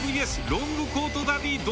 ロングコートダディ堂